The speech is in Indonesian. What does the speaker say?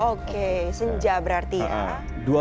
oke senja berarti ya